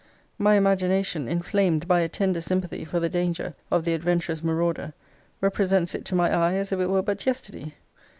My imagination, inflamed by a tender sympathy for the danger of the adventurous marauder, represents it to my eye as if it were but yesterday.